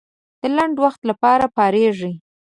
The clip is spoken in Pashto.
د لنډ وخت لپاره پارېږي.